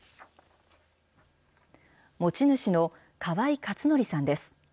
持ち主の川井克紀さんです。